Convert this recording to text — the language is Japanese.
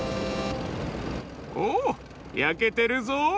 おおやけてるぞ。